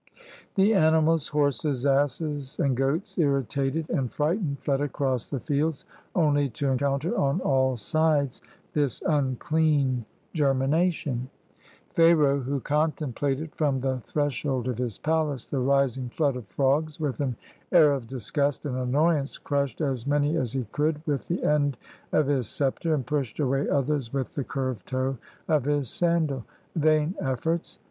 The animals, horses, asses, and goats, irritated and frightened, fled across the fields, only to encounter on all sides this unclean germination. Pharaoh, who contemplated from the threshold of his palace the rising flood of frogs, with an air of disgust and annoyance, crushed as many as he could with the end of his scepter and pushed away others with the curved toe of his sandal. Vain efforts!